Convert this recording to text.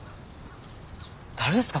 誰ですか？